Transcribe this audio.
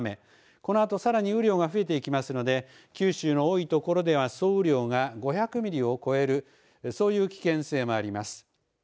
このあとさらに雨量がさらに雨量が増えてきますので九州の多い所では総雨量が５００ミリを超えるそういう危険性もあります。